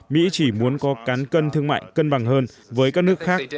mỹ chỉ muốn có cán cân thương mại cân bằng hơn với các nước khác